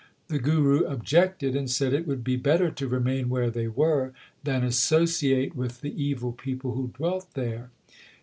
The Guru objected, and said it would be better to remain where they were than associate with the evil people who dwelt there.